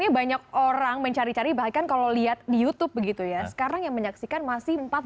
banyak orang mencari cari bahkan kalau lihat di youtube begitu ya sekarang yang menyaksikan masih